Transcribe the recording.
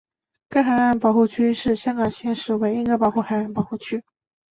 该海岸保护区是香港现时唯一一个海岸保护区。